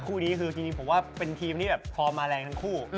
คู่นี้จริงผมว่าเป็นทีมที่ฟอร์มมาแรงทั้งคู่